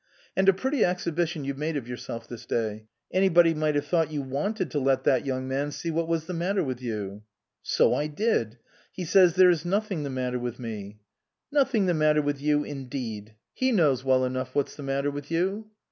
"And a pretty exhibition you've made of yourself this day. Anybody might have thought you wanted to let that young man see what was the matter with you." "So I did. He says there is nothing the matter with me." " Nothing the matter with you, indeed ! He 301 SUPERSEDED knows well enough what's the matter with you."